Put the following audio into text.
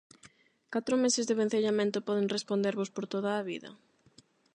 Catro meses de vencellamento poden respondervos por toda a vida?